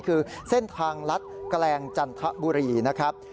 คือเส้นทางลัดแกลงจันทบุรีนะครับ